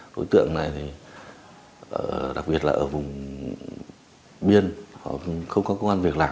đối tượng này thì đặc biệt là ở vùng biên không có công an việc làm